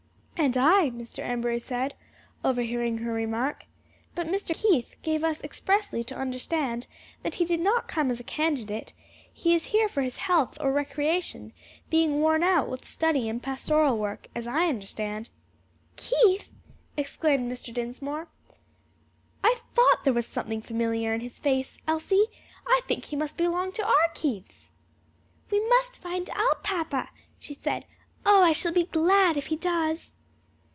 "And I," Mr. Embury said, overhearing her remark. "But Mr. Keith gave us expressly to understand that he did not come as a candidate; he is here for his health or recreation, being worn out with study and pastoral work, as I understand." "Keith?" exclaimed Mr. Dinsmore. "I thought there was something familiar in his face. Elsie, I think he must belong to our Keiths." "We must find out, papa," she said. "Oh, I shall be glad if he does!"